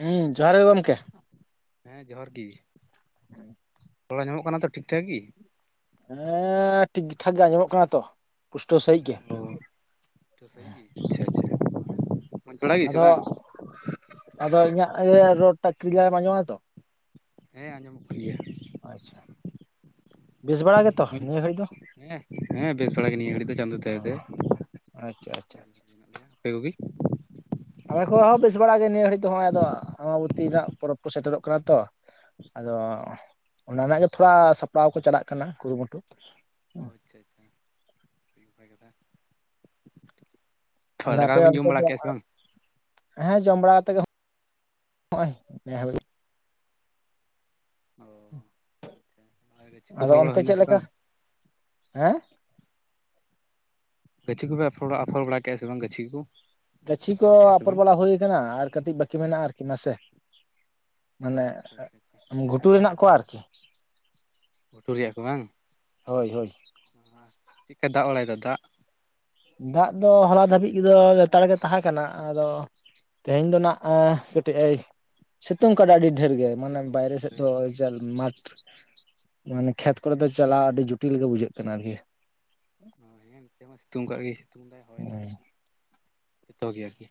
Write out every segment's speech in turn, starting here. ᱦᱩᱸ ᱡᱚᱦᱟᱨ ᱜᱮ ᱜᱚᱢᱠᱮ᱾ ᱦᱮᱸ ᱡᱚᱦᱟᱨ ᱜᱮ᱾ ᱦᱮᱸ ᱾ ᱨᱚᱲ ᱟᱧᱡᱚᱢᱚᱜ ᱠᱟᱱᱟ ᱛᱚ ᱴᱷᱤᱠ ᱴᱷᱟᱠ ᱜᱤ? ᱦᱮᱸ ᱴᱷᱤᱠ - ᱴᱷᱟᱠ ᱜᱮ ᱟᱸᱡᱚᱢᱚᱜ ᱠᱟᱱᱟ ᱛᱚ ᱯᱩᱥᱴᱟᱹᱣ ᱥᱟᱹᱦᱤᱡ ᱜᱮ ᱾ ᱦᱩᱸ ᱯᱩᱥᱴᱟᱹᱣ ᱥᱟ. ᱦᱤᱡ ᱜᱤ ᱟᱪᱷᱟ - ᱟᱪᱷᱟ ᱾ ᱟᱫᱚ ᱟᱫᱚ ᱤᱧᱟᱹᱜ ᱨᱚᱲ ᱴᱟᱜ ᱠᱤᱞᱤᱭᱟᱨ ᱮᱢ ᱟᱸᱡᱚᱢ ᱮᱫᱟ ᱛᱳ᱾ ᱦᱮᱸ ᱟᱸᱡᱚᱢᱚᱜ ᱠᱟᱱ ᱜᱮᱭᱟ᱾ ᱟᱪᱪᱷᱟ ᱵᱮᱥ ᱵᱟᱲᱟ ᱜᱮᱛᱚ ᱢᱚᱡᱽ ᱱᱤᱭᱟᱹ ᱜᱷᱟᱲᱤ ᱫᱚ᱾ ᱦᱮᱸ ᱦᱮᱸ ᱵᱮᱥ ᱵᱟᱲᱟ ᱜᱮ ᱱᱤᱭᱟᱹ ᱜᱷᱟᱹᱲᱤᱡ ᱫᱚ ᱪᱟᱸᱫᱳ ᱫᱟᱭᱟᱛᱮ ᱟᱪᱪᱷᱟ ᱟᱪᱪᱷᱟ ᱟᱪᱪᱷᱟ ᱢᱮᱱᱟᱜ ᱟᱯᱮ ᱠᱳ ᱜᱤ ᱟᱞᱮ ᱠᱚᱦᱚᱸ ᱵᱮᱥ ᱵᱟᱲᱟ ᱜᱮ ᱱᱤᱭᱟᱹ ᱜᱷᱟᱹᱲᱤᱡ ᱫᱚ ᱱᱚᱜᱼᱚᱭ ᱟᱫᱚ ᱟᱢᱵᱚᱛᱤ ᱨᱮᱱᱟᱜ ᱯᱚᱨᱚᱵᱽ ᱠᱚ ᱥᱮᱴᱮᱨᱚᱜ ᱠᱟᱱᱟ ᱛᱳ᱾ ᱚ ᱟᱫᱚ ᱚᱱᱟ ᱨᱮᱱᱟᱜ ᱜᱮ ᱛᱷᱚᱲᱟ ᱥᱟᱯᱲᱟᱣ ᱠᱚ ᱪᱟᱞᱟᱜ ᱠᱟᱱᱟ ᱠᱩᱨᱩᱢᱩᱴᱩ, ᱚ ᱟᱪᱪᱷᱟ ᱟᱪᱪᱷᱟ ᱱᱟᱯᱟᱭ ᱠᱟᱛᱷᱟ, ᱦᱟᱭ ᱟᱫᱚ ᱫᱟᱠᱟ ᱟᱯᱮ ᱠᱚᱵᱤᱱ ᱡᱚᱢ ᱚᱱᱛᱮ ᱵᱟᱲᱟ ᱫᱚ ᱠᱮ-ᱟ ᱥᱮ ᱵᱟᱝ? ᱦᱮᱸ ᱡᱚᱢᱵᱟᱲᱟ ᱠᱟᱛᱮ ᱜᱮ ᱦᱚᱸᱜᱼᱚᱭ, ᱚ ᱟᱪᱪᱷᱟ ᱟᱨ ᱜᱟᱹᱪᱷᱤ ᱠᱚ ᱟᱫᱚ ᱟᱯᱷᱚᱨ ᱵᱟᱲᱟ ᱚᱱᱛᱮ ᱦᱩᱭᱱᱟ ᱪᱮᱫᱮ ᱥᱮ ᱞᱮᱠᱟ ᱵᱟᱝ? ᱦᱮᱸ ᱜᱟᱹᱪᱷᱤ ᱠᱚᱯᱮ ᱟᱯᱷᱟᱨ ᱟᱯᱷᱚᱨ ᱵᱟᱲᱟ ᱠᱮᱜᱼᱟ ᱥᱮ ᱵᱟᱝ ᱜᱟᱹᱪᱷᱤ ᱠᱩ ᱜᱟᱹᱪᱷᱤ ᱠᱚ ᱟᱯᱷᱚᱨ ᱵᱟᱲᱟ ᱦᱩᱭ ᱠᱟᱱᱟ ᱟᱨ ᱠᱟᱹᱴᱤᱡ ᱵᱟᱠᱤ ᱢᱮᱱᱟᱜᱼᱟ ᱟᱨᱠᱤ ᱱᱟᱥᱮ ᱚ ᱢᱟᱱᱮ ᱟᱪᱪᱷᱟ ᱟᱪᱪᱷᱟ ᱟᱪᱪᱷᱟ ᱜᱷᱩᱴᱩ ᱨᱮᱱᱟᱜ ᱠᱚᱣᱟ ᱟᱨᱠᱤ ᱜᱷᱩᱴᱩ ᱨᱮᱭᱟᱜ ᱠᱚ ᱵᱟᱝ, ᱦᱳᱭ ᱦᱳᱭ, ᱪᱮᱫ ᱠᱟ ᱫᱟᱜ ᱵᱟᱲᱟᱭᱮᱫᱟ ᱫᱟᱜ, ᱫᱟᱜ ᱫᱚ ᱦᱚᱞᱟ ᱫᱷᱟᱹᱵᱤᱡ ᱫᱚ ᱞᱮᱛᱟᱲ ᱜᱮ ᱛᱟᱦᱮᱸ ᱠᱟᱱᱟ ᱟᱫᱚ, ᱛᱮᱦᱮᱧ ᱫᱚ ᱱᱟᱜ-ᱮ ᱠᱟᱹᱴᱤᱡ ᱮ ᱥᱤᱛᱩᱝ ᱠᱟᱫᱟ ᱟᱹᱰᱤ ᱰᱷᱮᱨ ᱜᱮ ᱢᱟᱱᱮ ᱥᱤᱛᱩᱝ ᱵᱟᱭᱨᱮ ᱠᱟᱫᱟ ᱥᱮᱫ ᱫᱚ ᱦᱮᱸ ᱢᱟᱴᱷ ᱢᱟᱱᱮ ᱠᱷᱮᱛ ᱠᱚᱨᱮ ᱫᱚ ᱪᱟᱞᱟᱜᱣ ᱟᱹᱰᱤ ᱡᱚᱴᱤᱞ ᱜᱮ ᱵᱩᱡᱷᱟᱹᱜ ᱠᱟᱱᱟ ᱟᱨᱠᱤ, ᱦᱚ ᱦᱮᱸ ᱱᱤᱛᱮ ᱦᱚᱸ ᱥᱤᱛᱩᱝ ᱠᱟᱜ ᱜᱮ ᱥᱤᱛᱩᱝ ᱫᱟᱭ ᱦᱚᱭ ᱫᱟᱭ ᱡᱚᱛᱚ ᱜᱮ ᱟᱨᱠᱤ,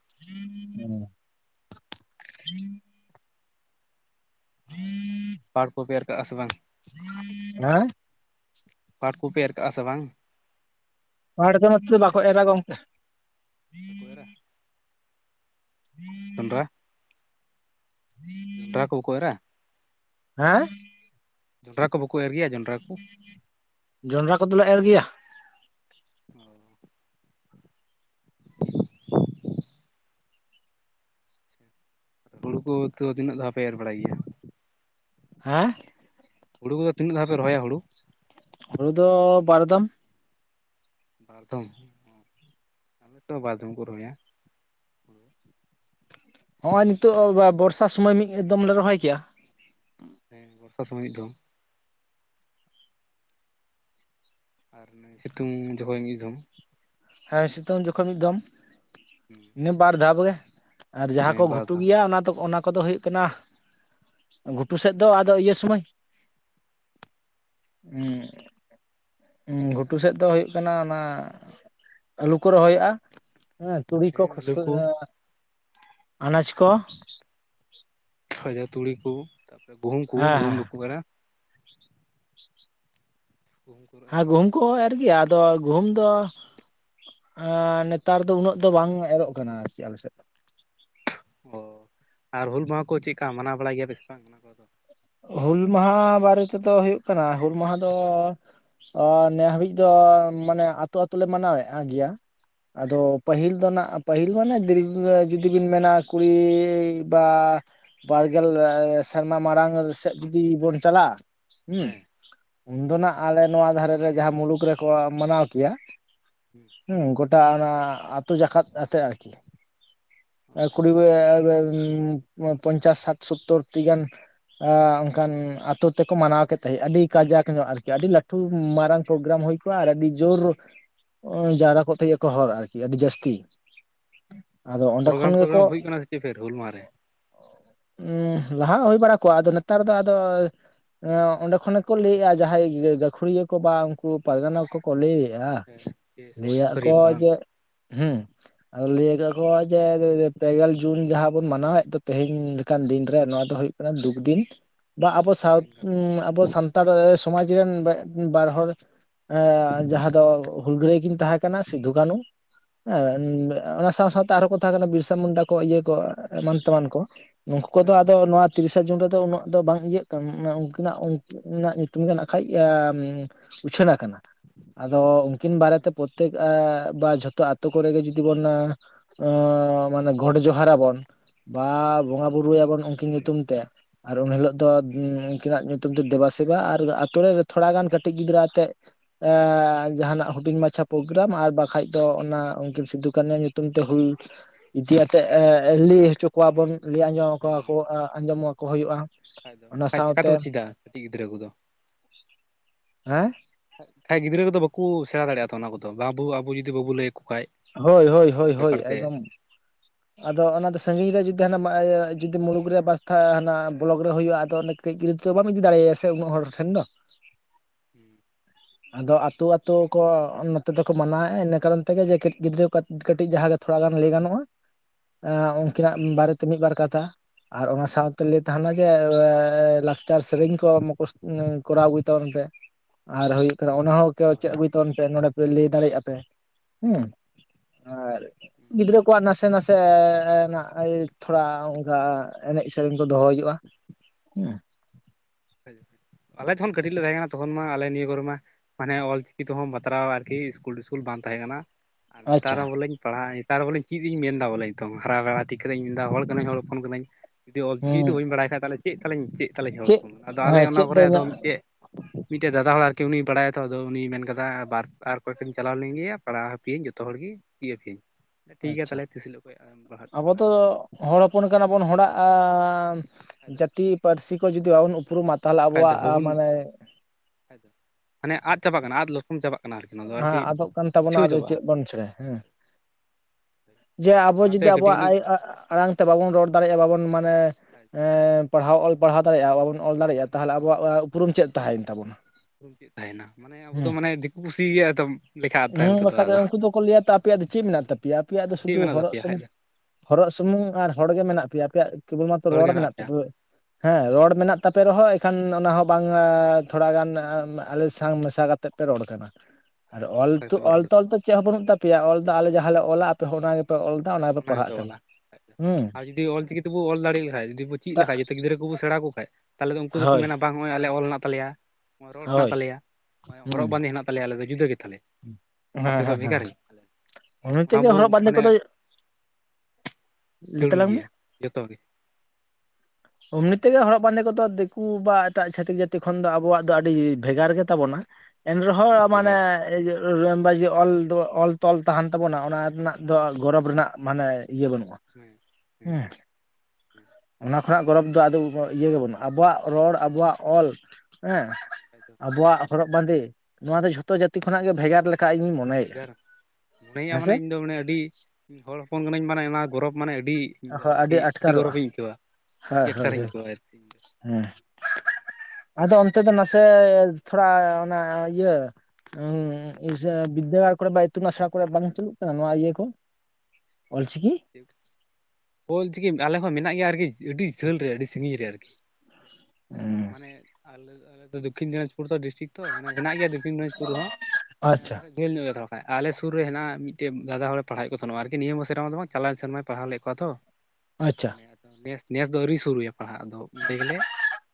ᱦᱩᱸ ᱟᱨ ᱯᱟᱴ ᱠᱚᱯᱮ ᱨᱨ ᱠᱟᱜᱼᱟ ᱥᱮ ᱵᱟᱝ? ᱦᱮᱸ ᱯᱟᱴ ᱠᱚᱯᱮ ᱮᱨ ᱠᱟᱜᱼᱟ ᱥᱮ ᱵᱟᱝ? ᱯᱟᱴ ᱫᱚ ᱱᱚᱛᱮ ᱵᱟᱠᱚ ᱮᱨᱟ ᱜᱚᱢᱠᱮ ᱵᱟᱠᱚ ᱮᱨᱟ? ᱡᱚᱸᱰᱨᱟ, ᱡᱚᱸᱰᱨᱟ ᱠᱚ ᱵᱟᱠᱚ ᱮᱨᱟ ᱦᱮᱸ ᱡᱚᱸᱰᱨᱟ ᱠᱚ ᱵᱟᱠᱚ ᱮᱨ ᱜᱮᱭᱟ ᱡᱚᱸ ᱡᱚᱸᱰᱨᱟ ᱠᱚ ᱫᱚ ᱞᱮ ᱮᱨ ᱜᱮᱭᱟ ᱚᱻ ᱦᱩᱲᱩ ᱠᱚ ᱛᱚ ᱛᱤᱱᱟᱹᱜ ᱫᱷᱟᱣ ᱯᱮ ᱮᱨ ᱵᱟᱲᱟᱭ ᱜᱮᱭᱟ? ᱦᱮᱸ ᱦᱩᱲᱩ ᱠᱚᱫᱚ ᱛᱤᱱᱟᱹᱜ ᱫᱷᱟᱣ ᱯᱮ ᱨᱚᱦᱚᱭᱮ ᱦᱩᱲᱩ, ᱦᱩᱲᱩ ᱫᱚ ᱵᱟᱨ ᱫᱟᱢ, ᱵᱟᱨ ᱫᱚᱢ ᱟᱞᱮ ᱛᱚ ᱵᱟᱨ ᱫᱷᱚᱢ ᱠᱚ ᱨᱚᱦᱚᱭᱟ, ᱦᱳᱭ ᱦᱚᱸᱜᱼᱚᱭ ᱱᱤᱛᱚᱜ ᱵᱚᱨᱥᱟ ᱥᱩᱚᱢᱚᱭ ᱢᱤᱫ ᱫᱚᱢ ᱞᱮ ᱨᱚᱦᱚᱭ ᱠᱮᱜ-ᱟ ᱦᱮᱸ ᱵᱚᱨᱥᱟ ᱥᱳᱚᱢᱚᱭ ᱢᱤᱫ ᱫᱷᱟᱣ ᱟᱨ ᱱᱚᱜ-ᱚᱭ ᱥᱤᱛᱩᱝ ᱡᱚᱠᱷᱚᱡ ᱢᱤᱫ ᱫᱷᱚᱢ ᱦᱮᱸ ᱥᱤᱛᱩᱝ ᱡᱚᱠᱷᱚᱱ ᱢᱤᱫ ᱫᱷᱚᱢ ᱦᱩᱸ ᱤᱱᱟᱹᱜ ᱵᱟᱨ ᱫᱷᱟᱯ ᱜᱮ ᱟᱨ ᱡᱟᱦᱟᱸ ᱠᱚ ᱜᱷᱩᱴᱩ ᱫᱷᱟᱣ ᱜᱮᱭᱟ ᱚᱱᱟ ᱚᱱᱟ ᱠᱚ ᱫᱚ ᱦᱩᱭᱩᱜ ᱠᱟᱱᱟ, ᱜᱷᱩᱴᱩ ᱥᱮᱫ ᱫᱚ ᱟᱫᱚ ᱤᱭᱟᱹ ᱥᱩᱢᱟᱹᱭ, ᱦᱩᱸ ᱜᱷᱩᱴᱩ ᱥᱮᱫ ᱫᱚ ᱦᱩᱭᱩᱜ ᱠᱟᱱᱟ ᱚᱱᱟ, ᱟᱹᱞᱩ ᱠᱚ ᱨᱚᱦᱚᱼᱟ ᱦᱮᱸ ᱛᱩᱲᱤ ᱠᱚ ᱠᱷᱚᱥ ᱟᱸᱻ ᱟᱱᱟᱡᱽ ᱠᱚ ᱡᱟᱦᱟ ᱛᱩᱲᱤ ᱠᱩ ᱛᱟᱨᱯᱚᱨᱮ ᱜᱩᱦᱩᱢ ᱠᱩ ᱦᱮᱸ ᱜᱩᱦᱩᱢ ᱦᱮᱸ ᱵᱟᱠᱚ ᱮᱨᱟ ᱜᱩᱦᱩᱢ ᱠᱚ ᱮᱨ ᱦᱮᱸ ᱵᱟᱲᱟᱭ ᱜᱩᱦᱩᱢ ᱦᱩᱭᱩᱜ ᱠᱚ ᱦᱚ ᱮᱨ ᱜᱮᱭᱟ [unintelligible] ᱜᱩᱦᱩᱢ ᱫᱚ ᱱᱮᱛᱟᱨ ᱫᱚ ᱩᱱᱟᱹᱜ ᱫᱚ ᱵᱟᱝ ᱮᱨᱚᱜ ᱠᱟᱱᱟ ᱟᱨᱠᱤ ᱟᱞᱮ ᱥᱮᱫ ᱚ ᱟᱨ ᱦᱩᱞ ᱢᱟᱦᱟᱸ ᱠᱚ ᱪᱮᱫᱠᱟ ᱢᱟᱱᱟᱣ ᱵᱟᱲᱟᱭ ᱜᱮᱭᱟ ᱯᱮᱥᱮ ᱵᱟᱝ [unintelligible] [unintelligible] [unintelligible] ᱦᱩᱞ ᱢᱟᱦᱟᱸ ᱵᱟᱨᱮ ᱛᱮᱫᱚ ᱦᱩᱭᱩᱜ ᱠᱟᱱᱟ ᱦᱩᱞ ᱢᱟᱦᱟᱸ ᱫᱚ ᱚᱻ ᱱᱤᱭᱟᱹ ᱦᱟᱹᱵᱤᱡ ᱫᱚ ᱢᱟᱱᱮ ᱟᱹᱛᱳ ᱟᱛᱳ ᱞᱮ ᱢᱟᱱᱟᱣᱮᱫ ᱜᱮᱭᱟ ᱟᱫᱚ ᱯᱟᱹᱦᱤᱞ ᱫᱚ ᱱᱟᱸᱜ ᱯᱟᱹᱦᱤᱞ ᱢᱟᱱᱮ ᱫᱤᱨᱜ ᱡᱩᱫᱤ ᱵᱤᱱ ᱢᱮᱱᱟ ᱠᱩᱲᱤ ᱵᱟ ᱵᱟᱨᱜᱮᱞ ᱥᱮᱨᱢᱟ ᱢᱟᱲᱟᱝ ᱥᱮᱫ ᱡᱩᱫᱤ ᱵᱚᱱ ᱪᱟᱞᱟᱜᱼᱟ ᱦᱩᱸ ᱦᱮᱸ ᱩᱱ ᱫᱚ ᱦᱩᱸ ᱱᱟᱜ ᱟᱞᱮ ᱱᱚᱣᱟ ᱫᱷᱟᱨᱮ ᱨᱮ ᱡᱟᱦᱟᱸ ᱢᱩᱞᱩᱠ ᱨᱮ ᱠᱚ ᱢᱟᱱᱟᱣ ᱠᱮᱭᱟ ᱦᱩᱸ ᱦᱩᱸ ᱜᱚᱴᱟ ᱚᱱᱟ ᱟᱹᱛᱳ ᱡᱟᱠᱟᱛ ᱟᱛᱮᱫ ᱟᱨᱠᱤ ᱚ [unintelligible] ᱯᱚᱧᱪᱟᱥ ᱥᱟᱴ ᱥᱳᱛᱛᱳᱨᱴᱤ ᱜᱟᱱ ᱚᱱᱠᱟᱱ ᱟᱹᱛᱳ ᱛᱮᱠᱚ ᱢᱟᱱᱟᱣ ᱠᱮᱫ ᱛᱟᱦᱮᱸᱫ ᱟᱹᱰᱤ ᱠᱟᱡᱟᱠ ᱧᱚᱜ ᱟᱨ ᱠᱤ ᱟᱹᱰᱤ ᱞᱟᱹᱴᱩ ᱢᱟᱨᱟᱝ ᱯᱨᱳᱜᱨᱟᱢ ᱦᱩᱭ [unintelligible] ᱟᱨ ᱟᱹᱰᱤ ᱡᱳᱨ ᱡᱟᱣᱨᱟ ᱠᱚ ᱛᱟᱦᱮᱸ ᱟᱠᱚ ᱦᱚᱲ ᱟᱨᱠᱤ ᱟᱹᱰᱤ ᱡᱟᱹᱥᱛᱤ ᱚ ᱟᱫᱚ ᱟᱨ ᱚᱸᱰᱮ ᱯᱨᱳᱜᱨᱟᱢ ᱯᱨᱳᱜᱨᱟᱢ ᱦᱩᱭᱩᱜ ᱠᱟᱱᱟ ᱥᱮ ᱪᱮᱫ ᱯᱷᱮᱨ ᱦᱩᱞ ᱢᱟᱦᱟᱸ ᱨᱮ ᱩᱸ ᱞᱟᱦᱟ ᱦᱩᱭ ᱵᱟᱲᱟ ᱠᱚᱜ ᱟᱫᱚ ᱱᱮᱛᱟᱨ ᱫᱚ ᱟᱫᱚ ᱚᱸᱰᱮ ᱠᱷᱚᱱ ᱦᱚ ᱠᱚ ᱞᱟᱹᱭᱮᱜᱼᱟ ᱡᱟᱦᱟᱸᱭ ᱜᱟᱹᱠᱷᱩᱲᱤᱭᱟᱹ ᱠᱚ ᱵᱟ ᱩᱱᱠᱩ ᱯᱟᱨᱜᱟᱱᱟ ᱠᱚ ᱠᱚ ᱞᱟᱹᱭᱮᱫᱼᱟ ᱦᱮᱸ ᱥᱚᱢᱟᱡᱽ ᱞᱟᱹᱭᱟᱜ ᱠᱚ ᱥᱩᱥᱟᱹᱨᱤᱭᱟᱹ ᱵᱟᱝ ᱡᱮ ᱦᱩᱸ ᱟᱫᱚ ᱞᱟᱹᱭ [unintelligible] ᱠᱚ ᱡᱮ ᱯᱮᱜᱮᱞ ᱡᱩᱱ ᱡᱟᱦᱟᱸ ᱵᱚᱱ ᱢᱟᱱᱟᱣᱮᱫ ᱫᱚ ᱛᱮᱦᱮᱧ ᱞᱮᱠᱟᱱ ᱫᱤᱱ ᱨᱮ ᱱᱚᱣᱟ ᱫᱚ ᱦᱩᱭᱩᱜ ᱫᱩᱠᱫᱤᱱ ᱵᱟ ᱟᱵᱚ ᱫᱩᱠ ᱥᱟᱶ ᱫᱤᱱ ᱠᱟᱱ ᱛᱟᱵᱚᱱᱟ ᱟᱵᱚ ᱥᱟᱱᱛᱟᱲ ᱥᱚᱢᱟᱡ ᱨᱮᱱ ᱵᱟᱨ ᱦᱚᱲ ᱡᱟᱦᱟᱸ ᱫᱚ ᱦᱩᱞ ᱜᱤᱨᱭᱟᱹ ᱠᱤᱱ ᱛᱟᱦᱮᱸ ᱠᱟᱱᱟ ᱥᱤᱫᱩ ᱠᱟᱹᱱᱩ ᱦᱩᱸ ᱦᱮᱸ ᱚᱱᱟ ᱥᱟᱶ ᱥᱟᱶᱛᱮ [unintelligible] ᱟᱨᱦᱚᱸ ᱠᱚ ᱛᱟᱦᱮᱸ ᱠᱟᱱᱟ ᱵᱤᱨᱥᱟ ᱢᱩᱱᱰᱟ ᱠᱚ ᱤᱭᱟᱹ ᱠᱚ ᱮᱢᱟᱱ ᱛᱮᱢᱟᱱ ᱠᱚ ᱱᱩᱠᱩ ᱠᱚᱫᱚ ᱵᱟᱠᱷᱟᱡ ᱫᱚ ᱟᱫᱚ ᱱᱚᱣᱟ ᱛᱤᱨᱤᱥᱟ. ᱡᱩᱱ ᱨᱮᱫᱚ ᱩᱱᱟᱹᱜ ᱫᱚ ᱵᱟᱝ ᱤᱭᱟᱹᱜ ᱠᱟᱱᱟ ᱢᱮ ᱩᱱᱠᱤᱱᱟᱜ [unintelligible] ᱧᱩᱛᱩᱢ ᱜᱮ ᱱᱟ ᱠᱷᱟᱡᱽ ᱩᱪᱷᱟᱹᱱ ᱟᱠᱟᱱᱟ ᱟᱫᱚ ᱚᱱᱠᱤᱱ ᱵᱟᱨᱮ ᱛᱮ ᱯᱨᱚᱛᱮᱠ ᱵᱟ ᱡᱷᱚᱛᱚ ᱟᱛᱳ ᱠᱚᱨᱮ ᱜᱮ ᱡᱩᱫᱤ ᱵᱚᱱ ᱢᱟᱱᱮ ᱜᱚᱰ ᱡᱚᱦᱟᱨ ᱟᱵᱚᱱ ᱵᱟ ᱦᱮᱸ ᱵᱚᱸᱜᱟ ᱵᱩᱨᱩᱭᱟᱵᱚᱱ ᱩᱱᱠᱤᱱ ᱧᱩᱛᱩᱢ ᱛᱮ ᱟᱨ ᱩᱱ ᱦᱤᱞᱳᱜ ᱫᱚ ᱩᱱᱠᱤᱱᱟᱜ ᱧᱩᱛᱩᱢ ᱛᱮ ᱫᱮᱵᱟ ᱥᱮᱵᱟ ᱟᱨ ᱟᱹᱛᱳ ᱨᱮ ᱛᱷᱚᱲᱟ ᱜᱟᱱ ᱠᱟᱹᱴᱤᱡ ᱜᱤᱫᱽᱨᱟᱹ ᱟᱛᱮᱜ ᱮᱸᱻ ᱡᱟᱦᱟᱱᱟᱜ ᱦᱩᱰᱤᱧ ᱢᱟᱪᱷᱟ ᱯᱨᱳᱜᱨᱟᱢ ᱟᱨ ᱵᱟᱝᱠᱷᱟᱡ ᱫᱚ ᱚᱱᱟ ᱩᱱᱠᱤᱱ ᱥᱤᱫᱩ ᱠᱟᱹᱱᱩ ᱧᱩᱛᱩᱢ ᱛᱮ ᱦᱩᱞ ᱤᱫᱤ ᱟᱛᱮᱜ ᱮᱻ ᱞᱟᱹᱭ ᱦᱚᱪᱚ ᱠᱚᱣᱟᱵᱚᱱ ᱞᱟᱹᱭ ᱟᱸᱡᱚᱢ ᱦᱮᱸ ᱟᱠᱚᱣᱟ ᱟᱸᱡᱚᱢ ᱟᱠᱚ ᱦᱳᱭᱳᱜᱼᱟ᱾ ᱵᱟᱠᱷᱟᱡ ᱫᱚ ᱵᱟᱠᱷᱟᱡ ᱪᱮᱠᱟ ᱛᱮ ᱠᱚ ᱪᱮᱫᱟ ᱠᱟᱹᱴᱤᱡ ᱜᱤᱫᱽᱨᱟᱹ ᱠᱚ ᱫᱚ ᱦᱮᱸ ᱵᱟᱠᱷᱟᱡ ᱜᱤᱫᱽᱨᱟᱹ ᱫᱚ ᱵᱟᱠᱩ ᱥᱮᱬᱟ ᱫᱟᱲᱮᱭᱟᱜᱼᱟ ᱛᱚ ᱚᱱᱟ ᱠᱚᱫᱚ [unintelligible] ᱟᱵᱚ ᱡᱩᱫᱤ ᱵᱟᱵᱚᱱ ᱞᱟᱹᱭ ᱟᱠᱚ ᱠᱷᱟᱡ ᱦᱳᱭ ᱦᱳᱭ ᱚᱱᱟ ᱠᱚ ᱦᱳᱭ ᱦᱳᱭ ᱵᱮᱯᱟᱨ ᱛᱮ ᱮᱠᱫᱚᱢ ᱟᱫᱚ ᱚᱱᱟ ᱫᱚ ᱥᱟᱹᱜᱤᱧ ᱨᱮ ᱡᱩᱫᱤ ᱦᱟᱱᱟ ᱡᱩᱫᱤ ᱢᱩᱲᱩᱠ ᱨᱮ ᱵᱟᱥᱛᱷᱟ ᱦᱮᱱᱟᱜ ᱵᱚᱞᱚᱠ ᱨᱮ ᱦᱩᱭᱩᱜᱼᱟ ᱟᱫᱚ [unintelligible] ᱠᱟᱹᱡᱠᱤᱡ [unintelligible] ᱨᱮᱫᱚ ᱵᱟᱢ ᱤᱫᱤ ᱫᱟᱲᱮᱭᱟ ᱥᱮ ᱩᱱᱟᱹᱜ ᱦᱚᱲ ᱴᱷᱮᱱ ᱫᱚ ᱦᱩᱸ ᱟᱫᱚ ᱟᱹᱛᱳ ᱟᱹᱛᱳ ᱠᱚ ᱱᱚᱛᱮ ᱫᱚᱠᱚ ᱢᱟᱱᱟᱣᱮᱜᱼᱟ ᱤᱱᱟᱹ ᱠᱟᱨᱚᱱ ᱛᱮ ᱜᱮ ᱡᱮ [unintelligible] ᱜᱤᱫᱽᱨᱟᱹ ᱠᱟᱹᱴᱤᱡ ᱡᱟᱦᱟᱸ ᱜᱮ ᱛᱷᱚᱲ ᱜᱟᱱ ᱞᱟᱹᱭ ᱜᱟᱱᱚᱜᱼᱟ᱾ ᱩᱱᱠᱤᱱᱟᱜ ᱦᱩᱸ ᱵᱟᱨᱮ ᱛᱮ ᱢᱤᱫ ᱵᱟᱨ ᱠᱟᱛᱷᱟ ᱟᱨ ᱚᱱᱟ ᱥᱟᱶᱛᱮ ᱞᱟᱹᱭ ᱛᱟᱦᱮᱱᱟ ᱡᱮᱻ ᱞᱟᱠᱪᱟᱨ ᱥᱮᱨᱮᱧ ᱠᱚ ᱢᱚᱠᱚᱥ ᱠᱚᱨᱟᱣ ᱟᱹᱜᱩᱭ ᱛᱟᱵᱚᱱ ᱯᱮ ᱟᱨ ᱦᱩᱭᱩᱜ ᱠᱟᱱᱟ ᱚᱱᱟ ᱦᱚᱸ [unintelligible] ᱪᱮᱫ ᱦᱳᱭ ᱟᱹᱜᱩᱭ ᱛᱟᱵᱚᱱ ᱯᱮ ᱱᱚᱰᱮ ᱯᱮ ᱞᱟᱹᱭ ᱫᱟᱲᱮᱭᱟᱜᱼᱟ ᱯᱮ ᱦᱩᱸᱻ ᱟᱨ ᱜᱤᱫᱽᱨᱟᱹ ᱠᱚᱣᱟᱜ ᱱᱟᱥᱮ ᱱᱟᱥᱮ ᱱᱟᱜ ᱛᱷᱚᱲᱟ [unintelligible] ᱮᱱᱮᱡ ᱥᱮᱨᱮᱧ ᱠᱚ ᱫᱚᱦᱚᱭ ᱦᱩᱭᱩᱜᱼᱟ ᱦᱩᱸ ᱟᱞᱮ ᱴᱷᱮᱱ ᱠᱟᱹᱴᱤᱡ ᱞᱮ ᱞᱟᱹᱭ ᱟᱡᱚᱢ ᱛᱚᱠᱷᱚᱱ ᱢᱟ ᱟᱞᱮ ᱱᱤᱭᱟᱹ ᱠᱚᱨᱮ ᱢᱟ ᱢᱟᱱᱮ ᱚᱞ ᱪᱤᱠᱤ ᱛᱮᱦᱚᱸ ᱵᱟᱛᱨᱟᱣ ᱟᱨᱠᱤ ᱤᱥᱠᱩᱞ ᱢᱤᱥᱠᱩᱞ ᱵᱟᱝ ᱛᱟᱦᱮᱸ ᱠᱟᱱᱟ ᱟᱨ ᱱᱮᱛᱟᱨ ᱟᱪᱪᱷᱟ ᱦᱚᱸ ᱵᱚᱞᱮᱧ ᱯᱟᱲᱦᱟᱜ ᱱᱮᱛᱟᱨ ᱵᱚᱞᱮ ᱪᱮᱫ ᱤᱧ ᱢᱮᱱ ᱫᱟ ᱵᱚᱞᱮ ᱱᱤᱛᱚᱝ ᱦᱟᱨᱟ ᱵᱟᱲᱟ ᱛᱤ ᱠᱟᱹᱧ ᱢᱮᱱ ᱮᱫᱟ ᱦᱚᱲ ᱠᱟᱱᱟᱧ ᱦᱚᱲ ᱦᱚᱯᱚᱱ ᱠᱟᱹᱱᱟᱹᱧ ᱡᱩᱫᱤ ᱚᱞᱪᱤᱠᱤ ᱫᱚ ᱦᱮᱸ ᱵᱟᱹᱧ ᱵᱟᱲᱟᱭ ᱠᱷᱟᱡ ᱛᱟᱦᱚᱞᱮ ᱪᱮᱫ ᱛᱟᱹᱞᱤᱧ ᱪᱮᱫ ᱛᱟᱹᱞᱤᱧ ᱚᱞ ᱯᱷᱚᱞ ᱫᱟ ᱟᱫᱚ ᱟᱞᱮ ᱦᱮᱸ ᱚᱱᱟ ᱪᱮᱫ ᱫᱚ ᱠᱚᱨᱮ ᱟᱫᱚ ᱤᱧᱟᱹᱜ ᱢᱤᱫᱴᱮᱡ ᱢᱤᱫᱴᱮᱡ ᱫᱟᱫᱟ ᱦᱚᱲ ᱟᱨᱠᱤ ᱩᱱ ᱵᱟᱲᱟᱭᱟ ᱛᱚ ᱟᱫᱚ ᱩᱱᱤ ᱢᱮᱱ ᱠᱟᱫᱟ ᱵᱟᱨ ᱵᱟᱨ [unintelligible] ᱠᱟᱢᱤ ᱪᱟᱞᱟᱣ ᱞᱮᱱ ᱜᱮᱭᱟ ᱯᱟᱲᱦᱟᱣ ᱟᱯᱮᱭᱟᱹᱧ ᱡᱷᱚᱛᱚ ᱦᱚᱲ ᱜᱮ ᱤᱭᱟᱹ ᱟᱯᱮ ᱭᱟᱹᱧ ᱟᱪᱷᱟ ᱟᱵᱚ ᱫᱚ ᱦᱚᱲ ᱦᱚᱯᱚᱱ ᱠᱟᱱᱟ ᱵᱚᱱ ᱦᱚᱲᱟᱜ ᱵᱟᱠᱷᱟᱡ [unintelligible] ᱫᱚ ᱡᱟᱹᱛᱤ ᱯᱟᱹᱨᱥᱤ ᱠᱚ ᱡᱩᱫᱤ ᱵᱟᱵᱚᱱ ᱩᱯᱨᱩᱢᱟ ᱛᱟᱦᱚᱞᱮ ᱠᱷᱟᱡᱫᱚ ᱟᱵᱚᱣᱟᱜ ᱵᱟᱵᱩᱱ ᱢᱟᱱᱮ ᱢᱟᱱᱮ ᱟᱫ ᱪᱟᱵᱟᱜ ᱠᱟᱱᱟ ᱟᱫ ᱞᱚᱴᱚᱢ ᱪᱟᱵᱟᱜ ᱠᱟᱱᱟ ᱟᱨᱠᱤ ᱱᱚᱣᱟ ᱫᱚ ᱦᱮᱸ ᱟᱨᱠᱤ ᱟᱫᱚᱜ ᱠᱟᱱ ᱛᱟᱵᱚᱱᱟ ᱢᱩᱪᱷᱟᱹᱣ ᱟᱫᱚ ᱪᱮᱫ ᱪᱟᱵᱟᱜᱼᱟ ᱵᱚᱱ ᱥᱮᱲᱟᱭ ᱦᱮᱸ ᱡᱮ ᱟᱵᱚ ᱚᱱᱟᱛᱮ ᱡᱩᱫᱤ ᱠᱟᱹᱴᱤᱡ ᱟᱵᱚᱣᱟᱜ ᱠᱟᱹᱴᱤᱡ ᱟᱭ- ᱟᱲᱟᱝ ᱛᱮ ᱵᱟᱵᱚᱱ ᱨᱚᱲ ᱫᱟᱲᱮᱭᱟᱜ-ᱟ ᱵᱟᱵᱚᱱ ᱢᱟᱱᱮ ᱮᱻ ᱯᱟᱲᱦᱟᱣ ᱚᱞ ᱯᱟᱲᱦᱟᱣ ᱫᱟᱲᱮᱭᱟᱜ-ᱟ ᱵᱟᱵᱚᱱ ᱚᱞ ᱫᱟᱲᱮᱭᱟᱜ-ᱟ ᱛᱟᱦᱚᱞᱮ ᱦᱳᱭ ᱟᱵᱚᱣᱟᱜ ᱩᱯᱨᱩᱢ ᱪᱮᱫ ᱛᱟᱦᱮᱱ ᱛᱟᱵᱚᱱᱟ ᱪᱮᱫ ᱛᱟᱦᱮᱱᱟ ᱢᱟᱱᱮ ᱟᱵᱚ ᱫᱚ ᱦᱮᱸ ᱢᱟᱱᱮ ᱫᱤᱠᱩ ᱯᱩᱥᱤᱭᱟᱜ-ᱟ ᱮᱫᱚᱢ ᱦᱮᱸ ᱵᱟᱠᱷᱟᱡ ᱩᱱᱠᱩ ᱫᱚᱠᱚ ᱞᱟᱹᱭ ᱟ ᱛᱚ ᱟᱯᱮᱭᱟᱜ ᱫᱚ ᱪᱮᱫ ᱢᱮᱱᱟᱜ ᱛᱟᱯᱮᱭᱟ ᱟᱯᱮᱭᱟᱜ ᱫᱚ ᱪᱮᱫ ᱥᱩᱫᱩ ᱢᱮᱱᱟᱜ ᱦᱚᱨᱚᱜ ᱛᱟᱯᱮᱭᱟ ᱠᱷᱟᱡ ᱥᱢᱩᱚᱝ ᱫᱚ ᱦᱚᱨᱚᱜ ᱥᱩᱢᱩᱝ ᱟᱨ ᱦᱚᱲ ᱜᱮ ᱢᱮᱱᱟᱜ ᱯᱮᱭᱟ ᱟᱯᱮᱭᱟᱜ ᱠᱮᱵᱚᱞ ᱢᱟᱛᱚ ᱦᱚᱲ ᱜᱮ ᱨᱚᱲ ᱢᱮᱱᱟᱜ ᱯᱮᱭᱟ ᱛᱟᱯᱮ ᱦᱮᱸ ᱨᱚᱲ ᱢᱮᱱᱟᱜ ᱛᱟᱯᱮ ᱠᱷᱟᱡ ᱨᱮᱦᱚᱸ ᱫᱚ ᱮᱱᱠᱷᱟᱱ ᱚᱱᱟ ᱦᱚᱸ ᱵᱟᱝ ᱛᱷᱚᱲᱟ ᱜᱟᱱ ᱟᱞᱮ ᱥᱟᱶ ᱢᱮᱥᱟ ᱠᱟᱛᱮᱫ ᱯᱮ ᱨᱚᱲ ᱠᱟᱱᱟ ᱟᱨ ᱠᱷᱟᱡ ᱫᱚ ᱚᱞ ᱢᱮᱥᱟ ᱠᱟᱛᱮ ᱯᱮ ᱨᱚᱲ ᱚᱞ ᱮᱫᱟ ᱛᱚᱞ ᱫᱚ ᱪᱮᱫ ᱦᱚᱸ ᱵᱟᱹᱱᱩᱜ ᱛᱟᱯᱮᱭᱟ ᱚᱞ ᱫᱚ ᱟᱞᱮ ᱡᱟᱦᱟᱸᱞᱮ ᱚᱞᱟ ᱟᱯᱮ ᱚᱱᱟ ᱜᱮᱯᱮ ᱚᱞ ᱮᱫᱟ ᱚᱱᱟ ᱯᱟᱲᱦᱟᱜ ᱜᱮᱯᱮ ᱚᱞ ᱠᱟᱱᱟ ᱟ ᱦᱩᱸ ᱟᱨ ᱡᱩᱫᱤ ᱚᱞ ᱪᱤᱠᱤ ᱛᱮᱵᱚᱱ ᱚᱞ ᱫᱟᱲᱮ ᱞᱮᱠᱟᱱ ᱡᱩᱫᱤ ᱵᱚ ᱪᱮᱫ ᱴᱟᱜ ᱞᱮᱠᱷᱟᱡ ᱡᱚᱛᱚ ᱜᱤᱫᱽᱨᱟᱹ ᱠᱚᱵᱚ ᱥᱮᱲᱟ ᱟᱠᱚ ᱠᱷᱟᱡ ᱛᱟᱦᱚᱞᱮ ᱫᱚ ᱩᱱᱠᱩ ᱫᱚᱠᱚ ᱦᱳᱭ ᱢᱮᱱᱟ ᱵᱟᱝ ᱱᱚᱜ-ᱚᱭ ᱟᱞᱮ ᱚᱞ ᱢᱮᱱᱟᱜ ᱛᱮᱭᱟ ᱨᱚᱲ ᱢᱮᱱᱟᱜ ᱦᱳᱭ ᱛᱟᱞᱮᱭᱟ ᱦᱚᱨ ᱦᱩᱸ ᱵᱟᱫᱮ ᱢᱮᱱᱟᱜ ᱛᱮᱭᱟ ᱟᱞᱮ ᱫᱚ ᱡᱩᱫᱟᱹ ᱜᱮᱛᱟᱞᱮ ᱦᱮᱸ ᱟᱯᱮ ᱠᱷᱚᱡ ᱦᱮᱸ ᱦᱮᱸ ᱵᱷᱮᱜᱟᱨ ᱜᱮᱭᱟ ᱚᱱᱟ ᱛᱮᱜᱮ ᱵᱚ ᱦᱚᱨᱚᱜ ᱵᱟᱸᱫᱮ ᱢᱟᱱᱮ ᱠᱚᱫᱚ ᱞᱟᱹᱭ ᱡᱟᱹᱨᱩᱲ ᱛᱟᱞᱟᱝ ᱢᱮ ᱜᱮᱭᱟ ᱡᱚᱛᱚ ᱜᱮ [inaudible] ᱮᱢᱱᱤ ᱛᱮᱜᱮ ᱦᱚᱨᱚᱜ ᱵᱟᱸᱫᱮ ᱠᱚᱫᱚ ᱫᱤᱠᱩ ᱵᱟ ᱮᱴᱟᱜ ᱪᱷᱟᱹᱛᱤᱠ ᱡᱟᱹᱛᱤ ᱠᱷᱚᱱ ᱫᱚ ᱟᱵᱚᱣᱟᱜ ᱫᱚ ᱟᱹᱰᱤ ᱵᱷᱮᱜᱟᱨ ᱜᱮᱛᱟ ᱵᱚᱱᱟ᱾ ᱮᱱ ᱨᱮᱦᱚᱸ ᱢᱟᱱᱮ ᱵᱷᱮᱜᱟᱨ ᱨᱵᱟᱡᱮ [unintelligible] ᱚᱞ ᱛᱚᱞ ᱛᱟᱦᱮᱸᱱ ᱛᱟᱵᱚᱱᱟ, ᱚᱱᱟ ᱨᱮᱱᱟᱜ ᱫᱚ ᱜᱚᱨᱚᱵᱽ ᱨᱮᱱᱟᱜ ᱤᱭᱟᱹ [unintelligible] ᱵᱟᱹᱱᱩᱜᱼᱟ ᱾ ᱢᱮ ᱢᱮ [unintelligible] ᱚᱱᱟ ᱠᱷᱚᱱᱟᱜ ᱜᱚᱨᱚᱵᱽ ᱫᱚ ᱟᱫᱚ ᱤᱭᱟᱹ [unintelligible] ᱜᱮ ᱵᱟᱹᱱᱩᱜᱼᱟ᱾ ᱟᱵᱚᱣᱟᱜ ᱨᱚᱲ ᱟᱵᱚᱣᱟᱜ ᱚᱞ ᱾ᱦᱮᱸ ᱦ [unintelligible] ᱟᱵᱚᱣᱟᱜ ᱦᱚᱨᱚᱜ ᱵᱟᱸᱫᱮ ᱱᱚᱣᱟ ᱫᱚ ᱡᱷᱚᱛᱚ ᱡᱟᱹᱛᱤ ᱠᱷᱚᱱᱟᱜ ᱜᱮ ᱵᱷᱮᱜᱟᱨ ᱞᱮᱠᱟ ᱤᱧ ᱢᱚᱱᱮ ᱵᱷᱮᱜᱟᱨ [unintelligible] ᱢᱚᱱᱮ ᱮᱭᱟᱭ ᱤᱧᱫᱚ ᱟᱹᱰᱤ ᱦᱚᱲ ᱦᱚᱯᱚᱱ ᱠᱟᱹᱱᱟᱹᱧ ᱚᱱᱟ ᱜᱚᱨᱚᱵᱽ, ᱟᱹᱰᱤ ᱦᱳᱭ ᱟᱹᱰᱤ ᱟᱴᱠᱟᱨᱚᱜᱼᱟ ᱜᱚᱨᱚᱵᱽ ᱤᱧ ᱟᱹᱭᱠᱟᱹᱣᱟ ᱦᱳᱭ ᱟᱹᱰᱤ ᱦᱳᱭ ᱟᱴᱠᱟᱨᱤᱧ ᱦᱳᱭ ᱟᱹᱭᱠᱟᱹᱣᱟ ᱤᱧᱫᱚ᱾ ᱦᱮᱸ [unintelligible] ᱟᱫᱚ ᱚᱱᱛᱮ ᱫᱚ ᱱᱟᱥᱮ ᱛᱷᱚᱲᱟ ᱚᱱᱟ ᱤᱭᱟᱹ ᱦᱮᱸ [unintelligible] ᱵᱤᱫᱽᱫᱟᱹᱜᱟᱲ ᱠᱚᱨᱮ ᱵᱟ ᱤᱛᱩᱱ ᱟᱥᱲᱟ ᱠᱚᱨᱮ ᱵᱟᱝ ᱪᱟᱹᱞᱩᱜ ᱠᱟᱱᱟ ᱱᱚᱣᱟ ᱤᱭᱟᱹ [unintelligible] ᱠᱚ᱾ ᱚᱞ ᱪᱤᱠᱤ, ᱚᱞ ᱪᱤᱠᱤ ᱟᱞᱮ ᱦᱚᱸ ᱢᱮᱱᱟᱜ ᱜᱮᱭᱟ, ᱟᱹᱰᱤ ᱡᱷᱟᱹᱞ ᱨᱮ ᱟᱹᱰᱤ ᱥᱟᱺᱜᱤᱧ ᱨᱮ ᱟᱨ ᱠᱤ ᱦᱩᱸ ᱢᱟᱱᱮ ᱟᱞᱡᱟ ᱟᱞᱮ ᱫᱚ ᱫᱚᱠᱷᱤᱱ ᱫᱤᱱᱟᱡᱽᱯᱩᱨ ᱰᱤᱥᱴᱨᱤᱠ ᱛᱚ ᱢᱮᱱᱟᱜ ᱜᱮᱭᱟ ᱫᱚᱠᱷᱤᱱ ᱫᱤᱱᱟᱡᱽᱯᱩᱨ ᱨᱮᱦᱚᱸ᱾ᱢᱟᱱᱮ ᱟᱞᱮ ᱟᱪᱪᱷᱟ ᱧᱤᱭᱟᱹᱮᱞ [unintelligible] ᱧᱚᱜ [unintelligible] ᱜᱮᱛᱦᱠᱚ [unintelligible] ᱠᱷᱟ [unintelligible] ᱟᱞᱮ ᱥᱩᱨ ᱨᱮ ᱢᱮᱱᱟᱜ ᱢᱤᱫᱴᱮᱱ ᱫᱟᱫᱟ ᱦᱚᱲᱮ ᱯᱟᱲᱦᱟᱣ ᱮᱫ ᱛᱮᱦᱮᱱᱟ ᱟᱨ ᱱᱤᱭᱟᱹ ᱢᱮ [unintelligible] ᱨᱮᱢᱟ [unintelligible] ᱫᱚ ᱵᱟᱝ ᱪᱟᱞᱟᱣᱮᱱ ᱥᱮᱨᱢᱟ ᱯᱟᱲᱦᱟᱣ ᱞᱮᱫ ᱠᱚᱣᱟ ᱛᱚ, ᱟᱪᱪᱷᱟ ᱢᱟᱱᱮ ᱱᱮᱥ ᱫᱚ ᱟᱹᱣᱨᱤ ᱥᱩᱨᱩᱭᱟ ᱯᱟᱲᱦᱟᱣ, ᱟᱫᱚ ᱚᱸᱰᱮ ᱜᱮᱞᱮ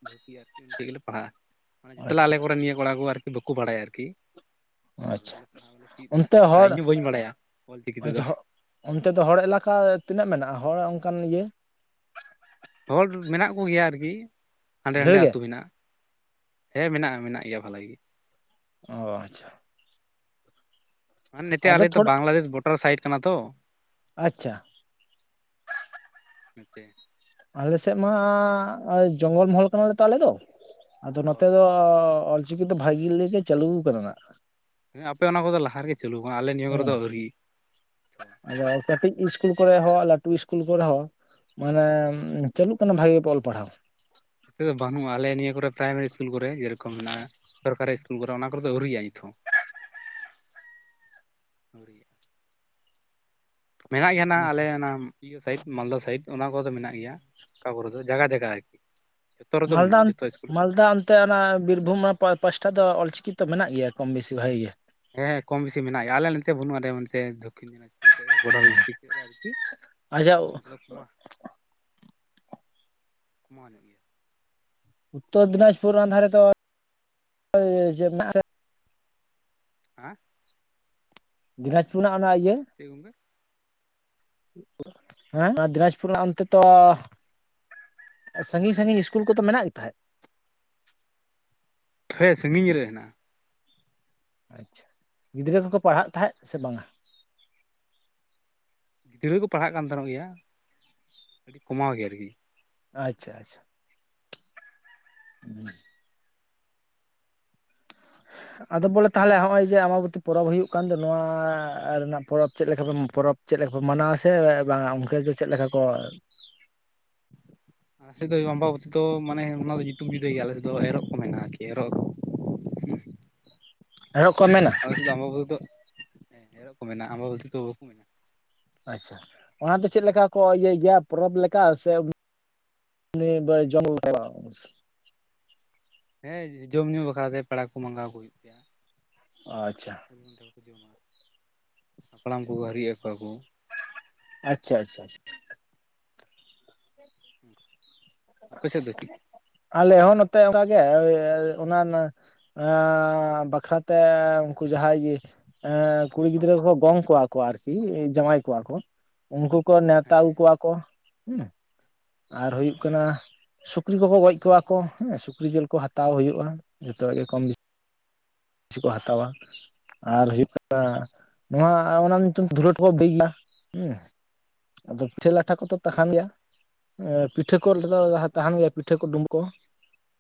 ᱵᱷᱚᱨᱛᱤᱜᱼᱟ, ᱚᱸᱰᱮ ᱜᱮᱞᱮ ᱯᱟᱲᱦᱟᱜᱼᱟ᱾ ᱡᱷᱚᱛᱚ ᱟᱪᱪᱷᱟ ᱟᱞᱮ ᱠᱚᱨᱮᱱ ᱱᱤᱭᱟᱹ ᱠᱚᱲᱟ ᱠᱚ ᱵᱟᱠᱚ ᱵᱟᱲᱟᱭᱟ᱾ ᱟᱨ ᱚᱮ [unintelligible] ᱟᱪᱪᱷᱟ ᱯᱟᱲᱦᱟᱜ ᱵᱟᱟᱞᱮ [unintelligible] ᱪᱮᱫ ᱚᱱᱛᱮ ᱢᱮᱱ ᱮᱫᱟ, ᱦᱚᱲ ᱤᱧᱦᱚᱸ ᱵᱟᱹᱧ ᱵᱟᱲᱟᱭᱟ ᱚᱞ ᱪᱤᱠᱤ ᱛᱮᱫᱚ᱾ ᱟᱪᱪᱷᱟ ᱦᱚ ᱚᱱᱛᱮ ᱫᱚ ᱦᱚᱲ ᱮᱞᱟᱠᱟ ᱛᱤᱱᱟᱹᱜ ᱢᱮᱱᱟᱜ-ᱟ ᱦᱚᱲ ᱚᱱᱠᱟᱱ ᱤᱭᱟᱹ ᱦᱚᱲ ᱢᱮᱱᱟᱜ ᱠᱚ ᱜᱮᱭᱟ ᱟᱨ ᱠᱤ ᱦᱟᱸᱰᱮ ᱰᱷᱮᱨ ᱱᱟᱰᱮ ᱜᱮ ᱟᱹᱛᱩ ᱢᱮᱱᱟᱜ-ᱟ᱾ ᱦᱮᱸ, ᱢᱮᱱᱟᱜ ᱜᱮᱭᱟ ᱵᱷᱟᱜᱤ ᱜᱮ᱾ ᱚ ᱟᱪᱪᱷᱟ, ᱦ [unintelligible] ᱱᱚᱛᱮ ᱟᱫᱚ ᱟᱞᱮ ᱫᱚ ᱛᱷᱚᱲᱟ ᱵᱟᱝᱞᱟᱫᱮᱥ ᱵᱳᱰᱟᱨ ᱥᱟᱭᱤᱴ ᱠᱟᱱᱟ ᱛᱚ᱾ ᱟᱪᱪᱷᱟ, ᱦᱮᱸᱛᱮ [unintelligible] ᱟᱞᱮ ᱥᱮᱫ ᱢᱟ ᱡᱚᱝᱜᱚᱞ ᱢᱚᱦᱚᱞ ᱠᱟᱱᱟᱞᱮ ᱛᱚ ᱟᱞᱮ ᱫᱚ, ᱟᱫᱚ ᱚ ᱱᱚᱛᱮ ᱫᱚ ᱚᱞ ᱪᱤᱠᱤ ᱫᱚ ᱵᱷᱟᱜᱤ ᱜᱮ ᱪᱟᱹᱞᱩ ᱠᱟᱱᱟ᱾ᱱᱟᱜ ᱦᱮᱸ, ᱟᱯᱮ ᱚᱱᱟ ᱠᱚᱫᱚ ᱞᱟᱦᱟ ᱨᱮᱜᱮ ᱪᱟᱹᱞᱩ ᱠᱟᱱᱟ, ᱟᱞᱮ ᱱᱤᱭᱟᱹ ᱠᱚᱨᱮ ᱫᱚ ᱦᱮᱸ ᱟᱹᱣᱨᱤ᱾ ᱟᱫᱚ ᱠᱟᱹᱴᱤᱡ ᱤᱥᱠᱩᱞ ᱠᱚᱨᱮ ᱦᱚᱸ ᱞᱟᱹᱴᱷᱩ ᱤᱥᱠᱩᱞ ᱠᱚᱨᱮ ᱦᱚᱸ ᱢᱟᱱᱮ ᱪᱟᱹᱞᱩᱜ ᱠᱟᱱᱟ ᱵᱷᱟᱜᱤ ᱚᱞ ᱯᱟᱲᱦᱟᱣ᱾ ᱱᱚᱛᱮ ᱫᱚ ᱵᱟᱹᱱᱩᱜᱼᱟ, ᱟᱞᱮ ᱱᱤᱭᱟᱹ ᱠᱚᱨᱮ ᱯᱨᱟᱭᱢᱟᱨᱤ ᱤᱥᱠᱩᱞ ᱠᱚᱨᱮ, ᱡᱮ ᱨᱚᱠᱚᱢ ᱢᱮᱱᱟᱜᱼᱟ, ᱥᱚᱨᱠᱟᱨᱤ ᱤᱥ ᱤᱥᱠᱤᱞ ᱠᱚᱨᱮ ᱚᱱᱟ ᱠᱚᱨᱮ ᱫᱚ, ᱟᱹᱣᱨᱤᱭᱟᱜ-ᱟ, ᱱᱤᱛ ᱦᱚᱸ ᱢᱮᱱᱟᱜ ᱜᱮᱭᱟ ᱱᱟᱸᱜ ᱟᱞᱮ ᱱᱟᱸᱜ ᱤᱭᱟᱹ ᱥᱟᱭᱤᱰ, ᱢᱟᱞᱫᱟ ᱥᱟᱭᱤᱰ, ᱚᱱᱟ ᱠᱚᱨᱮ ᱫᱚ ᱢᱮᱱᱟᱜ ᱜᱮᱭᱟ, ᱚᱠᱟ ᱠᱚᱨᱮ ᱫᱚ ᱡᱟᱭᱜᱟ, ᱡᱟᱭᱜᱟ ᱟᱨᱠᱤ ᱡᱚᱛᱚ ᱨᱮᱫᱚ ᱵᱟᱹᱱᱩᱜᱼᱟ ᱢᱟᱞᱫᱟᱢ, ᱡᱚᱛᱚ ᱤᱥᱠᱩᱞ ᱨᱮᱫᱚ ᱢᱟᱞᱫᱟᱢ ᱚᱱᱛᱮ ᱚᱱᱟ ᱵᱤᱨᱵᱷᱩᱢ ᱯᱟᱥᱴᱟ ᱫᱚ, ᱚᱞᱪᱤᱠᱤ ᱛᱚ ᱢᱮᱱᱟᱜ ᱜᱮᱭᱟ, ᱠᱚᱢ ᱵᱮᱥᱤ ᱵᱷᱟᱜᱤ ᱜᱮ? ᱦᱮᱸ, ᱠᱚᱢ ᱵᱮᱥᱤ ᱢᱮᱱᱟᱜ ᱜᱮᱭᱟ ᱾ᱟᱞᱮ ᱱᱚᱛᱮ ᱵᱟᱹᱱᱩᱜᱼᱟ ᱫᱚᱠᱷᱤᱱ ᱫᱤᱱᱟᱡᱽᱯᱩᱨ ᱥᱮᱫ, ᱵᱳᱰᱟᱨ ᱰᱤᱥᱴᱨᱤᱠ ᱥᱮᱫ ᱨᱮ ᱟᱨᱠᱤ᱾ ᱟᱪᱪᱷᱟ ᱱᱤᱛ ᱫᱚ ᱠᱚᱢᱟᱟᱣ ᱠᱚᱢᱟᱣ ᱧᱚᱜ ᱜᱮᱭᱟ [inaudible] [unintelligible] ᱩᱛᱛᱚᱨ ᱫᱤᱱᱟᱡᱽᱯᱩᱨ ᱚᱱᱟ ᱫᱷᱟᱨᱮ ᱨᱮᱫᱚ, ᱪᱮᱫ ᱢᱮᱱᱟᱜᱼᱟ‍? ᱦᱮᱸ, ᱫᱤᱱᱟᱡᱽᱯᱩᱨ ᱨᱮᱱᱟᱜ ᱚᱱᱟ ᱤᱭᱟᱹ ᱪᱮᱫ ᱜᱚᱢᱠᱮ? ᱦᱮᱸ, ᱟᱨ ᱫᱤᱱᱟᱡᱽᱯᱩᱨ ᱨᱮᱱᱟᱜ ᱚᱱᱛᱮ ᱛᱚ ᱥᱟᱺᱜᱤᱧ, ᱥᱟᱺᱜᱤᱧ ᱤᱥᱠᱩᱞ ᱠᱚᱫᱚ, ᱢᱮᱱᱟᱜ ᱜᱮ ᱛᱟᱦᱮᱸᱫ᱾ ᱦᱮᱸ, ᱥᱟᱺᱜᱤᱧ ᱨᱮ ᱦᱮᱱᱟᱜᱼᱟ ᱾ ᱟᱪᱪᱷᱟ, ᱜᱤᱫᱽᱨᱟᱹ ᱠᱚᱠᱚ ᱯᱟᱲᱦᱟᱜ ᱛᱟᱦᱮᱸᱜ, ᱥᱮ ᱵᱟᱝ? ᱜᱤᱫᱽᱨᱟᱹ ᱠᱚ ᱯᱟᱲᱦᱟᱜ ᱠᱟᱱ ᱛᱟᱦᱮᱸᱱᱚᱜ ᱜᱮᱭᱟ, ᱟᱹᱰᱤ ᱠᱚᱢᱟᱣ ᱜᱮ ᱟᱨ ᱠᱤ ᱟᱪᱪᱷᱟ, ᱟᱪᱪᱷᱟ᱾ ᱦᱮᱸ, ᱟᱫᱚ ᱵᱚᱞᱮ ᱛᱟᱦᱚᱞᱮ ᱦᱚᱸᱜᱼᱚᱭ ᱡᱮ, ᱟᱢᱵᱟ ᱵᱚᱛᱤ ᱯᱚᱨᱚᱵᱽ ᱦᱳᱭᱳᱜ ᱠᱟᱱ ᱫᱚ, ᱱᱚᱣᱟ ᱨᱮᱱᱟᱜ ᱯᱚᱨᱚᱵᱽ ᱪᱮᱫ ᱞᱮᱠᱟ ᱵᱚᱱ ᱯᱚᱨᱚᱵᱽ? ᱪᱮᱫ ᱞᱮᱠᱟ ᱠᱚ ᱢᱟᱱᱟᱣᱟ ᱥᱮ ᱵᱟᱝᱟ, ᱚᱱᱛᱮ ᱫᱚ ᱪᱮᱫ ᱞᱮᱠᱟ ᱠᱚ? [unintelligible] [inaudible] ᱱᱚᱛᱮ ᱫᱚ ᱟᱢᱵᱟ ᱵᱚᱛᱤ ᱫᱚ, ᱢᱟᱱᱮ ᱚᱱᱟ ᱫᱚ ᱧᱩᱛᱩᱢ ᱡᱩᱫᱟᱹ ᱜᱮᱭᱟ᱾ ᱟᱞᱮ ᱥᱮᱫ ᱫᱚ ᱮᱨᱚᱜ ᱠᱚ ᱢᱮᱱᱟ, ᱟᱨ ᱠᱤ ᱮᱨᱚᱜ ᱦᱩᱸ [unintelligible] ᱮᱨᱚᱜ ᱠᱚ ᱢᱮᱱᱟ? ᱟᱞᱮ ᱥᱮᱫ ᱫᱚ ᱟᱢᱵᱟ ᱵᱩᱛᱤ ᱫᱚ, ᱮᱨᱚᱜ ᱠᱚ ᱢᱮᱱᱟ, ᱟᱢᱵᱟ ᱵᱩᱛᱤ ᱫᱚ ᱵᱟᱠᱚ ᱢᱮᱱᱟ᱾ ᱟᱪᱪᱷᱟ, ᱚᱱᱟ ᱫᱚ ᱪᱮᱫ ᱞᱮᱠᱟ ᱠᱚ ᱤᱭᱟᱹᱭ ᱜᱮᱭᱟ, ᱯᱚᱨᱚᱵᱽ ᱞᱮᱠᱟ ᱥᱮ ᱵ ᱡᱚᱢ [unintelligible] [unintelligible] ᱦᱮᱸ ᱡᱚᱢ ᱧᱩ ᱵᱟᱠᱷᱨᱟᱛᱮ, ᱯᱮᱲᱟ ᱠᱚ ᱢᱟᱜᱟᱣ ᱠᱚ ᱦᱩᱭᱩᱜ ᱜᱮᱭᱟ᱾ ᱟᱪᱪᱷᱟ, [unintelligible] ᱠᱷᱟᱱᱴᱟᱲ ᱠᱚ ᱡᱚᱢᱟ, ᱦᱟᱯᱲᱟᱢ ᱠᱚᱠᱚ ᱦᱟᱹᱨᱤᱡ ᱟᱠᱚᱣᱟ ᱠᱚ ᱟᱪᱪᱷᱟ, ᱟᱪᱪᱷᱟ᱾ ᱴᱷᱤᱠ ᱜᱮ [unintelligible] [unintelligible] ᱟᱞᱮ ᱦᱚᱸ ᱱᱚᱛᱮ ᱚᱱᱠᱟ ᱜᱮ, ᱚᱱᱟ ᱮᱸ, ᱵᱟᱠᱷᱨᱟᱛᱮ, ᱩᱱᱠᱩ ᱡᱟᱦᱟᱸᱭ ᱜᱮ᱾ ᱮᱸᱻ ᱠᱩᱲᱤ ᱜᱤᱫᱽᱨᱟᱹ ᱠᱚ ᱜᱚᱝ ᱠᱚᱣᱟ ᱠᱚ ᱟᱨᱠᱤ, ᱡᱟᱶᱟᱭ ᱠᱚᱣᱟ ᱠᱚ᱾ ᱩᱱᱠᱩ ᱠᱚ ᱱᱮᱣᱛᱟ ᱦᱮᱸ ᱟᱜᱩ ᱦᱮᱸ ᱠᱚᱣᱟ ᱠᱚ, ᱦᱩᱸ ᱟᱨ ᱦᱩᱭᱩᱜ ᱚ ᱠᱟᱱᱟ ᱥᱩᱠ ᱥᱩᱠᱨᱤ ᱠᱚ ᱠᱚ ᱜᱚᱡ ᱠᱚᱣᱟ ᱠᱚ, ᱦᱮᱸ ᱥᱩᱠᱨᱤ ᱡᱤᱞ ᱠᱚ ᱦᱟᱛᱟᱣ ᱦᱳᱭᱜᱼᱟ, ᱡᱷᱚᱛᱚᱣᱟᱜ ᱜᱮ ᱠᱚᱢ ᱵᱤᱥᱤ᱾ ᱠᱤᱪᱷᱤ ᱠᱚ ᱦᱟᱛᱟᱣᱟ᱾ ᱟᱨ ᱦᱩᱭᱩᱜ ᱠᱟᱱᱟ, ᱱᱚᱣᱟ ᱚᱱᱟ ᱧᱩᱛᱩᱢ ᱛᱮ ᱫᱷᱩᱞᱟᱹᱴ ᱠᱚ ᱵᱟᱹᱭᱱᱟ ᱦᱩᱸ ᱟᱫᱚ ᱯᱤᱴᱷᱟᱹ ᱞᱟᱴᱷᱟ ᱠᱚᱫᱚ ᱪᱮᱫ ᱛᱟᱦᱮᱸᱱ ᱠᱟᱱᱟ ᱜᱮᱭᱟ, ᱯᱤᱴᱷᱟᱹ ᱠᱚ ᱫᱚ ᱚ ᱛᱟᱦᱮᱸᱱ ᱜᱮᱭᱟ᱾ ᱯᱤᱴᱷᱟᱹ ᱠᱚ ᱰᱩᱢᱵᱩᱜ ᱠᱚ,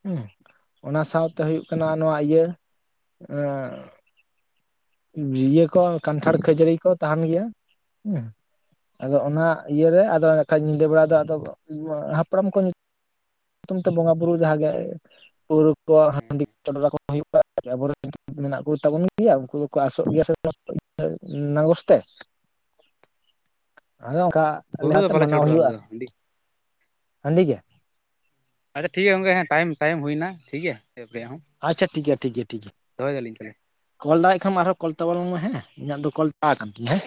ᱦᱩᱸ ᱚᱱᱟ ᱥᱟᱶᱛᱮ ᱦᱳᱭᱩᱜ ᱠᱟᱱᱟ ᱱᱚᱣᱟ ᱤᱭᱟᱹ ᱟᱸᱻ᱾ ᱡᱤᱭᱟᱹ ᱠᱚ ᱠᱟᱱᱴᱷᱟᱲ ᱠᱷᱟᱹᱡᱟᱹᱲᱤ ᱠᱚ, ᱛᱟᱦᱮᱸᱱ ᱜᱮᱭᱟ᱾ ᱦᱩᱸ, ᱟᱫᱚ ᱚ ᱚᱱᱟ ᱤᱭᱟᱹ ᱨᱮ ᱟᱫᱚ ᱵᱟᱠᱷᱟᱡ ᱧᱤᱫᱟᱹ ᱵᱮᱲᱟ ᱫᱚ, ᱟᱫᱚ ᱦᱟᱯᱲᱟᱢ ᱠᱚ ᱧᱩᱛᱩᱢ ᱛᱮ ᱵᱚᱸᱜᱟ ᱵᱩᱨᱩ ᱡᱟᱦᱟᱸ ᱜᱮ, ᱯᱟᱹᱩᱣᱨᱟᱹ ᱠᱚ, ᱦᱮᱸ ᱦᱮᱸ ᱦᱟᱺᱰᱤ ᱠᱚ ᱪᱚᱰᱚᱨ ᱟᱠᱚ ᱦᱳᱭᱩᱜᱼᱟ᱾ ᱟᱵᱚ ᱨᱮᱱ ᱢᱮᱱᱟᱜ ᱠᱚ ᱛᱟᱵᱚᱱ ᱜᱮᱭᱟ, ᱩᱱᱠᱩ ᱫᱚᱠᱚ ᱟᱸᱥᱚᱜ ᱜᱮᱭᱟ ᱥᱮ ᱱᱟᱜᱚᱥ ᱛᱮ, ᱟᱫᱚ ᱚᱱᱠᱟ ᱯᱟᱹᱣᱨᱟᱹ ᱫᱚ ᱞᱟᱦᱟᱛᱮ ᱵᱟᱞᱮ ᱢᱟᱱᱟᱣ ᱪᱟᱰᱚᱨᱟ ᱟᱞᱮ ᱦᱳᱭᱳᱜᱼᱟ᱾ ᱫᱚ ᱦᱟᱺᱰᱤ ᱦᱟᱺᱰᱤ ᱜᱮᱭᱟ [unintelligible] ᱟᱪᱪᱷᱟ ᱴᱷᱤᱠ ᱜᱮᱭᱟ ᱜᱚᱝᱠᱮ ᱦᱮᱸ ᱴᱟᱭᱤᱢ ᱴᱟᱭᱤᱢ ᱦᱩᱭᱮᱱᱟ ᱴᱷᱤᱠ ᱜᱮᱭᱟ ᱮᱯᱲᱮᱭᱟᱜ ᱦᱚᱸ, ᱟᱪᱪᱷᱟ ᱴᱷᱤᱠ ᱜᱮᱭᱟ ᱴᱷᱤᱠ ᱜᱮᱭᱟ ᱴᱷᱤᱠ ᱜᱮᱭᱟ ᱫᱚᱦᱚ ᱭᱮᱫᱟ ᱞᱤᱧ ᱛᱟᱦᱮᱞᱮ᱾ ᱠᱚᱞ ᱫᱟᱲᱮᱭᱟᱜ ᱠᱷᱟᱢ ᱟᱨᱦᱚᱸ ᱠᱚᱞ ᱛᱟᱵᱚᱱ ᱢᱮ ᱦᱮᱸ, ᱤᱧᱟᱹᱜ ᱫᱚ ᱠᱚᱞ ᱪᱟᱵᱟ ᱠᱟᱱ ᱛᱤᱧᱟᱹ ᱦᱮᱸ?